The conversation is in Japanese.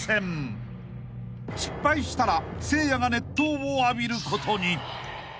［失敗したらせいやが熱湯を浴びることに］